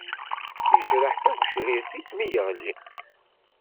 Yejreḥ tagecrirt-is mi yeɣli.